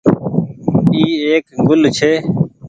اي ايڪ گل ڇي۔